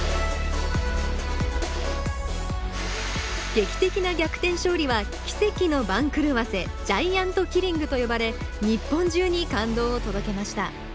劇的な逆転勝利は奇跡の番狂わせジャイアントキリングと呼ばれ日本中に感動を届けました